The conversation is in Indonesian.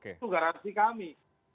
itu garansi kami